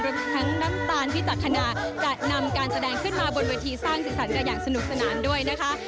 ทั้งน้ำตาลพิตักษณาจะนำการแสดงขึ้นมาบนเวทีสร้างสีสันกันอย่างสนุกสนานด้วยนะคะ